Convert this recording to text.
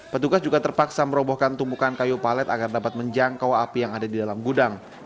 petugas juga terpaksa merobohkan tumpukan kayu palet agar dapat menjangkau api yang ada di dalam gudang